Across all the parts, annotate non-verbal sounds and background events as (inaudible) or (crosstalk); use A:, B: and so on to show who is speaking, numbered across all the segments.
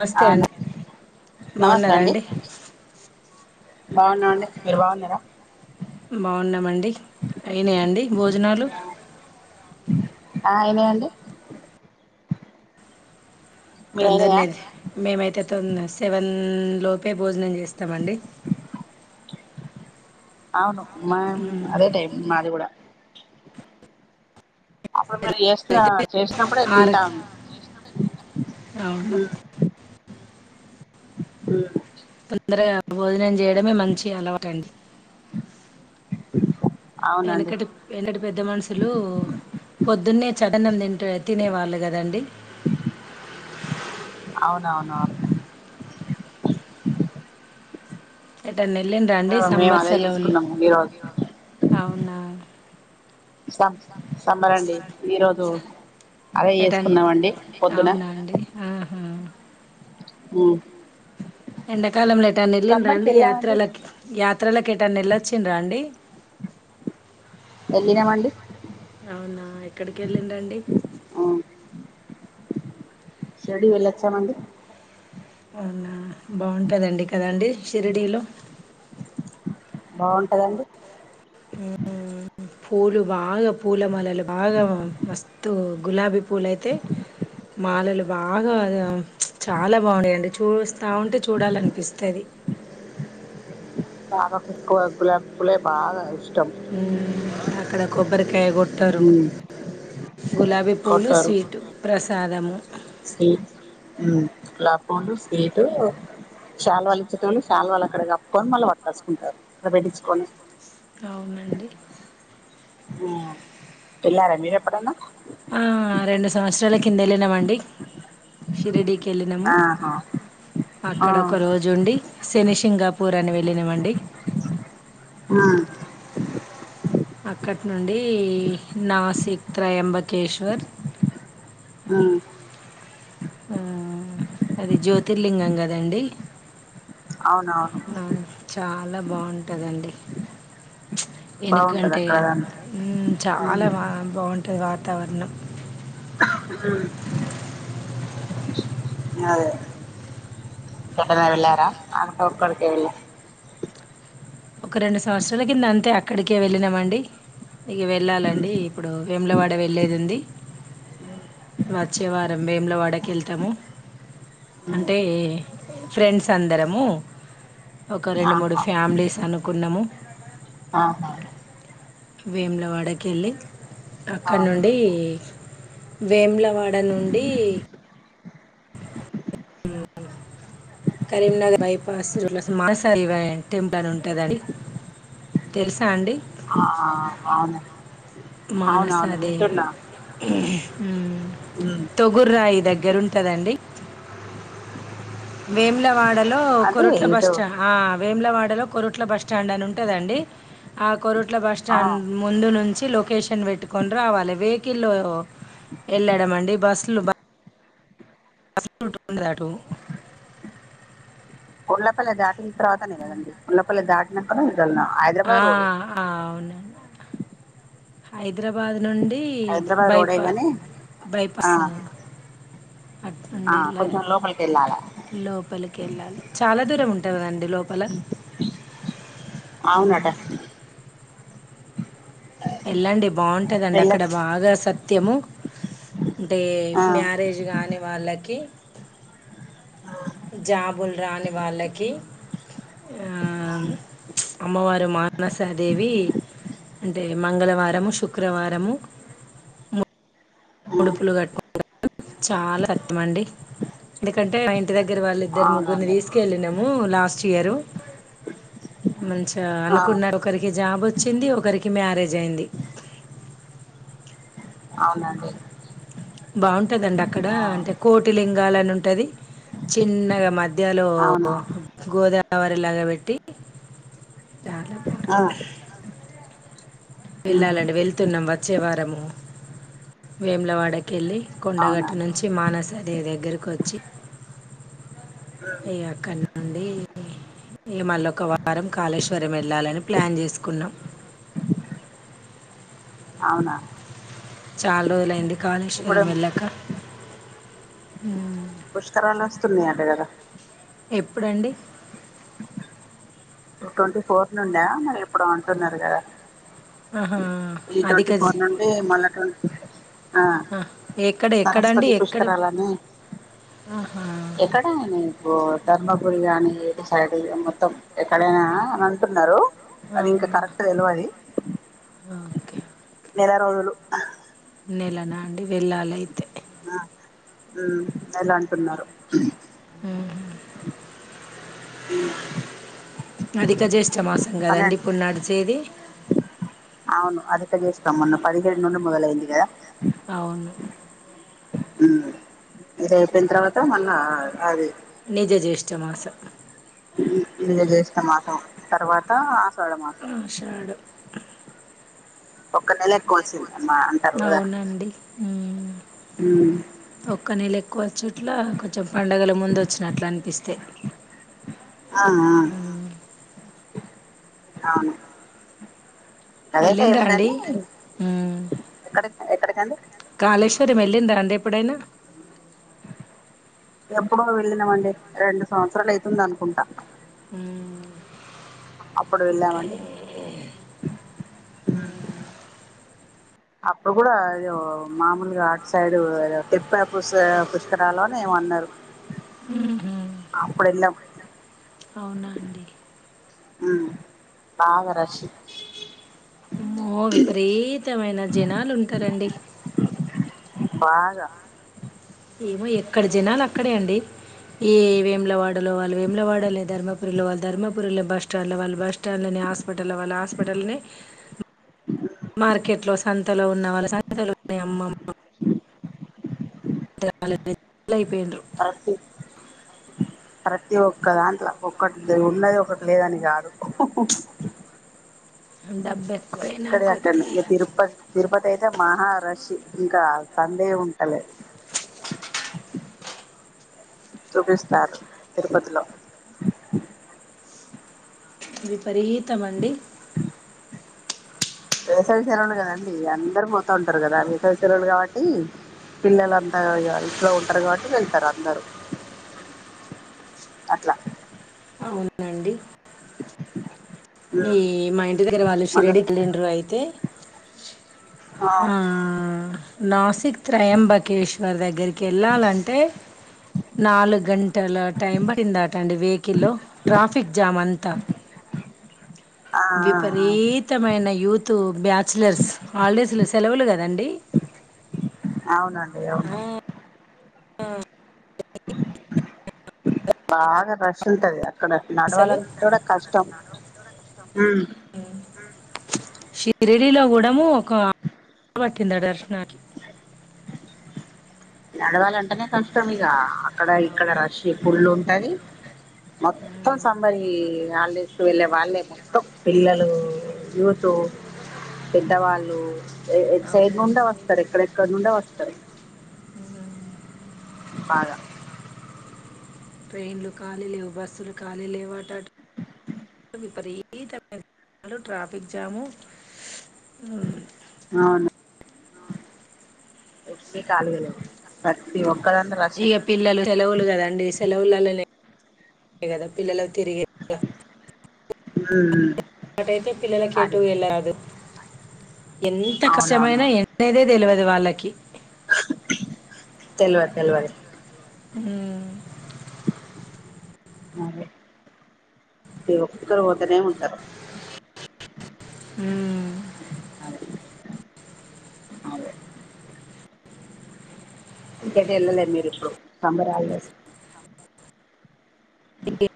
A: నమస్తే
B: అ
A: అండి
B: నమస్తే అండి బాగున్నా అండి మీరు బాగున్నారా
A: బాగున్నామండి అయినా అండి భోజనాలు
B: ఆ అయినయండి అయినాయా
A: తొందరనే మేమైతే తొందర సెవెన్ లోపే భోజనం చేస్తామండి
B: అవ్ను మామ్
A: మ్మ్.
B: అదే టైమ్ మాది కూడా ఇప్పుడు మరి చేసిన
A: అయితే
B: చేసినప్పుడే
A: ఆరు
B: తింటాం
A: అవును
B: మ్ మ్
A: తొందరగా భోజనం చేయడమే మంచి అలవాటండి
B: అవునండి
A: ఎనకటి ఎనకటి పెద్ద మనుషులు పొద్దున్నే చద్దన్నం తింటే తినేవాళ్ళు కదండి
B: అవునవునునవును
A: ఎట్ట్ అన్న వెళ్ళిర అండి
B: మేము
A: సమ్మర్
B: అదే
A: సెలవుల
B: చేసుకున్నాము ఈరోజు
A: అవునా
B: సం సంబర్ అండి ఈరోజు అదే
A: ఎంటండి
B: చేసుకున్నామండి పొద్దున
A: అవునా అండి ఆహా
B: మ్
A: ఎండాకాలంలో ఎటైన వెళ్ళిర రండి
B: వెళ్ళామండి
A: యాత్రలకి యాత్రలకు ఎటైన వెళ్లొచ్చిరా అండి
B: వెళ్ళినామండి
A: వెళ్లినమండి అవునా ఎక్కడికి వెళ్ళిరు అండి
B: షిర్డీ వెళ్ళచ్చామండి
A: అవునా బావుంటదండి కదండి షిరిడిలో
B: బాగుంటద అండి
A: మ్ మ్ మ్ పూలు బాగా పూల మాలలు బాగా మస్తు గులాబీ పూలయితే మాలలు బాగా చాలా బాగుండాయండి చూస్తా ఉంటే చూడాలి అనిపిస్తది
B: మాకు ఎక్కువ గులాబీ పూలె బాగా ఇష్
A: మ్ అక్కడ కొబ్బరికాయ కొట్టరు
B: ఉమ్,
A: గులాబీ పూలు
B: కొట్టారు
A: స్వీట్ ప్రసా సాదము
B: స్వీట్ ఉమ్ గులాబీ పూలు స్వీటు శాల్వళ్ళు ఇచ్చెటోళ్ళు శాల్వళ్ళు అక్కడ కప్పుకొని మళ్ళ వట్కోచుకుంటారు అక్కడ పెట్టించుకొని
A: అవునండీ
B: ఉ ఎల్లార మీరు ఎప్పుడన్న
A: ఆ రెండు సంవత్సరాల కింద వెళ్ళినమండీ షిర్డీ కి వెళ్ళినము
B: ఆహా ఆ
A: అక్కడ ఒక రోజుండి శనిశె సింగాపూర్ అని వెళ్ళినమండి
B: ఆ
A: అక్కటి నుండి నసిక్ త్రయాంబకేశ్వర్
B: ఆ
A: ఉమ్ అది జ్యోతిర్లింగం కదండి
B: అవునవును
A: అవును చాలా బాగున్ ఉంటదండి
B: బాగుంటది
A: వెనకంటే
B: అక్కడదంత
A: ఉమ్ చాలా బా బాగుంటుది తవర్ణం
B: అదే ఎక్కడైనా వెళ్ళార అక్కడే వెళ్లార
A: ఒక రెండు సంవత్సరాల కింద అంతే అక్కడికే వెళ్ళినామండి ఇక వెళ్ళాలండి ఇప్పుడు వేములవాడ వెళ్లేది ఉంది వచ్చే వారం వేములవాడకి వెళ్తాము
B: ఉమ్
A: అంటే ఫ్రెండ్స్ అందరము ఒక రెండు మూడు
B: ఆహా
A: ఫ్యామిలీస్ అనుకున్నాము
B: ఆహా
A: వేములవాడకి వెళ్ళి
B: ఆ
A: అక్కడ నుండి వేములవాడ నుండి కరీంనగర్ బైపాస్ చోట మానస దేవి టెంపుల్ అని ఉంటుందండి తెలుసా అండి.
B: ఆ అవును అవునవును
A: మానసదేవి
B: వింటున్నా
A: హ్మ్మ్
B: ఉమ్
A: తొగుర్రాయి దగ్గర ఉంటదండి వేములవాడ లో
B: అదే
A: కోరుట్ల
B: ఏదో
A: బస్స్టాండ్ ఆ వేములవాడ లో కొరుట్ల బస్ స్టాండ్ అని ఉంటదండి ఆ కొరుట్ల బస్
B: ఆ
A: స్టాండ్ ముందు నుంచి లో లొకేషన్ పెట్టుకని రావాలి వెహికల్లో వెళ్ళాడమండి బస్ లుబా దటు
B: కొల్లపల్ల దా తర్వాతనే కదండి ఉల్లపల్లి నాకు
A: ఆ
B: హైదరాబాద్ రోడ్
A: అ హైదరాబాద్ నుండి
B: హైదరాబాద్ రోడే
A: బైపా
B: గాని ఆ
A: బైపాస్ అటు
B: ఆ
A: నుండి
B: కొంచెం లోపలికి వెళ్ళాలా
A: లోపలికి వెళ్ళాలి చాలా దూరం ఉంటు కదండి లోపల ఆ,
B: అవునట
A: వెళ్ళండి బాగుంటదండి అక్కడ
B: వెళ్ళొచ్చు
A: బాగా సత్యము అంటే
B: ఆ
A: మ్యారేజ్ కాని వాళ్ళకి జాబుల్ రాని వాళ్ళకి ఆ, అమ్మవారు మానసాదేవి అంటే మంగళవారము శుక్రవారము ఉడుపులు కట్టు చాలా రత్తం అండి ఎందుకంటే మా ఇంటి దగ్గర వాళ్ళు ఇద్దరు ము్గురు
B: అవునండి
A: తీసుకెళ్ి నమ్ము లాస్ట్ ఇయరు మ
B: ఆ
A: అనుకున్నారు ఒకరికి జాబు వచ్చింది ఒకరికి మ్యారేజ్ అయింది
B: అవునండి
A: బాగుంట ఉంటదండి అక్కడ
B: ఆ
A: అంటే కోటి లింగా అంటే అట్టది చిన్నగా మధ్యలో
B: అవునా
A: గోదావరి తవరిలాగాబట్టి చాల పో
B: ఆ ఉమ్,
A: వెళ్ళాలండి వెళ్తున్నాం వచ్చవారము వేములవాడ గలి
B: అవునా
A: కొండగట్టు నుంచి మానసి అదిే దగ్గరకు వచ్చి ఇ అక్కడి నుండి మ మళ్ళొ ఒక వారం కాళేశ్వరం వెళ్ళాలని ప్లాన్ చేసుకున్నాం
B: అవునా
A: చాలా రోజులయింది కాాలేశ్వర
B: ఇప్పుడు
A: మెల్లక్క హు
B: పుష్కరాలు వస్తున్నాయి అంట కదా
A: ఎప్పుడండి
B: ట్వంటీ ఫోర్ నుండా మరి ఇప్పుడు అంటున్నారు కదా
A: ఆహా,
B: ఈ
A: అధిక
B: ట్వంటీ ఫోర్
A: జ-
B: నుండి మళ్ళ ఆ
A: ఎక్కడ ఎక్కడండి
B: సరస్వతి
A: ఎక్కడ
B: పుష్కరాలని
A: ఆహా,
B: ఎక్కడ ఆయనా ఇ ధర్మపురి ఏ సైడ్ మొత్తం ఎ ఎక్కడేనా అని అంటున్నారు అది ఇంకా
A: అవునా
B: కరెక్ట్ తెలవాలి
A: ఓకే
B: నెల రోజు
A: నెలనా అండి వెలాలయితే
B: ఉ ఎలా అంటున్నారు
A: అదిక జే
B: ప అవును అది తగిస్తకోమన్న పదిహేడు ను ముదల ఐందిగాద
A: అవును
B: రేపయిన తర్వాత మొన్న అది
A: నిజ జ్యేష్టమాసం
B: ఇద చేస్తం మాసం తర్వాత ఆషాఢ మాసం
A: ఆషాడం
B: ఒక్క నెల ఎక్కువ వచ్చింది అమ్మా అంటారు కదా
A: అవునండి ఒక్క నెళ ఎక్కువ వచ్చుట్ల కొంచెం పండగల ముందు వచ్చినట్లు అనిపిస్తే
B: ఆ అవును అదేట
A: వెళ్ళిందా
B: ఏం
A: అండి
B: కాని ఎక్కడ ఎక్కడికంటే
A: కాళేశ్వరం వెళ్ళిందా అండి ఎప్పుడైనా
B: ఎప్పుడో వెళ్ళినామండి రెండు సంవత్సరాలు అయితుంది అనుకుంటా
A: ఉమ్
B: అప్పుడు వెళ్ళామండి అప్పుడు కూడాదో మామూలుగా ఆటు సైడు తెిప్పే పు పుష్కరాలోని ఏమ అన్నారు
A: ఉహు
B: అప్పుడు వెళ్ళాం
A: అవునా అండి
B: పాగరశి
A: మో విపరీత్ ఖతమైన జనాలు ఉంటారండి
B: పాగా
A: ఏమో ఎక్కడ జినాల అక్కడే అండి ఏ వేములవాడలో వాళ్ళు వేములవాడనే ధర్మపురిలో వాళ్ళు ధర్మపురి బస్ స్టాండ్లో వాళ్ళు బస్ స్టాండ్లోనే హాస్పిటల్లో వాళ్ళ హాస్పిటల్నే మార్కెట్లో సంతలో ఉన్న వాళ్ళమ్మ (inaudible)
B: ప్రతి
A: (unintelligible)
B: ప్రతి ఒక్క దాంట్లో ఒక్కటి ఉన్నది ఒకటి లేదని కాదు
A: డబ్బు ఎక్కువైనా
B: ఎక్కడ అక్కడ
A: కొద్ది
B: ఇంక తిరుపతి తిరుపతి అయితే మహ రష్ ఇంకా సంధే ఉంటలే చూపిస్తారు తిరుపతిలో
A: విపరథము అండి
B: వేసవి సెలవులు కదండి అందరు పోతూ ఉంటారు కదా వేసవి సెలవులు కాబట్టి పిల్లలు అంతా ఇంట్లో ఉంటారు కాబట్టి వెళ్తారు అందరూ అట్లా
A: అవునండి ఈ
B: ఉమ్
A: మా ఇంటి దగ్గర వాళ్ళు
B: మళ్ళ
A: షిరెడ్డి కలిండర్ అయితే ఆ నాసిక్ త్రయంబకేశ్వర్ దగ్గరికి కెళ్ళాలంటే నాలుగు గంటల టైం పడిందాట అండి వెహికల్లో ట్రాఫిక్ జామ్ అంతా
B: ఆ ఆ
A: విపరీతమైన యూత్ బ్యాచలర్స్ హాలిడేస్ లో సెలవులు కదండి
B: అవునండి అవును బాగా రష్ ఉంటది నడువాల
A: అసలు
B: కూడా కష్టం ఉమ్
A: లో కూడము ఆ కింద దర్శన
B: నడవాలంటేనే కష్టం ఇక అక్కడ ఇక్కడ రషీ పళ్ళు ఉంటది మొత్తం సంబరి హాలిడేస్ కు వెళ్ళే వాళ్ళే మొత్తం పిల్లలు యూత్ పెద్దవాళ్ళు. సైడ్ నుండే
A: అవునండి
B: వస్తారు ఎక్కడెక్కడ నుండే వస్తారు సరే బాగా
A: ట్రైన్లు ఖాళీ లేవు బస్సులు ఖాళీ లేవు అట విపరీతమైన ట్రాఫిక్ జాము హ్మ్మ్
B: అవును కాలు ప్రతి ఒ
A: ఇక పిల్లలు సెలవులు కదండి సెలవులలోనే కదా పిల్లలు తిరిగే
B: ఆ ఆ ఆ
A: వాటైతే పిల్లలకేటు వెళ్ళదు ఎంత కష్టమైన
B: అవునవునవును
A: ఎండనే తెలియదు వాళ్ళకి
B: తెల్వ తెల్వది
A: హ్మ్మ్
B: అదే ఈ ఒక్కరు పోతేనే ఉంటారు
A: హ్మ్మ్
B: అదే అదే కట ఏల్లలే మీరు ఎప్పుడూ సమ్మర్ హాలిడేస్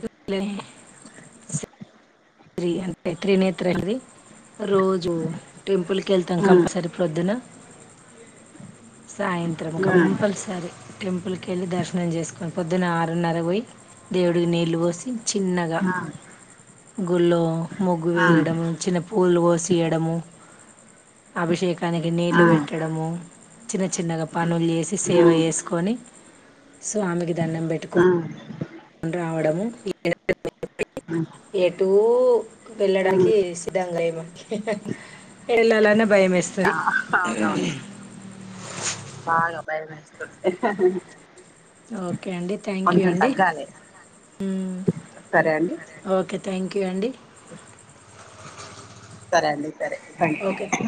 A: (inaudible) త్రీ త్రినేత్రులది రోజు టెంపుల్ క వెళ్తాం
B: ఉమ్
A: కంపల్సరీ ప్రొద్దున సాయంత్రం
B: ఉమ్
A: కంపల్సరి టెంపుల్కి వెళ్ళి దర్శనం చేసుకొని పొద్దున్న ఆరున్నర పోయి దేవుడికి నీళ్లు పోసి చిన్నగా
B: ఆ
A: గుళ్ళ మొగ్గు
B: ఆ
A: వేయడము
B: ఆ
A: చిన్న పూలు కోసేయడము అభిషేకానికి నీళ్లు పెట్టడము చిన్న చిన్నగా పనులు వేసి సేవ
B: ఉమ్
A: చేేసుకొని స్వామి గి దండం పెట్టుకోండి
B: ఉమ్
A: రావడము
B: ఉమ్
A: ఎటుూ
B: ఉమ్
A: వెళ్ళడానికి సిద్ధంగా మకి ఎళలాన్న భయం మేస్తీ
B: ఆ అవునవును భయమేస్తాది
A: ఓకే అండి థ్యాంక్ యూ అండి ఉమ్మ్
B: సరే అండి
A: ఓకే థ్యాంక్ యూ అడి
B: సరే అండి రే
A: ఓకే
B: థ్యాంక్య